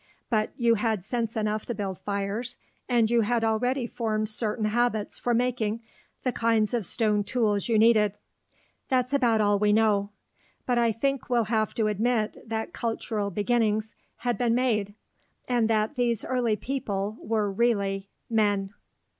But you had sense enough to build fires, and you had already formed certain habits for making the kinds of stone tools you needed. That's about all we know. But I think we'll have to admit that cultural beginnings had been made, and that these early people were really men.